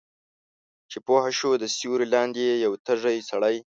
چې پوهه شوه د سیوری لاندې یې یو تږی سړی